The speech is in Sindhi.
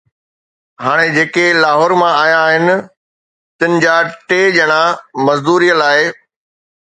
هاڻي جيڪي لاهور مان آيا آهن، تن جا ٽي ڄڻا مزدوريءَ لاءِ